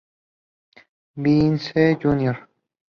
Vince, Jr.